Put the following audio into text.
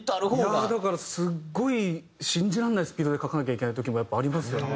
いやあだからすごい信じられないスピードで書かなきゃいけない時もやっぱりありますよね。